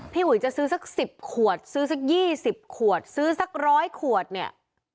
พี่อุ๋ยจะซื้อสักสิบขวดซื้อสักยี่สิบขวดซื้อสักร้อยขวดเนี่ย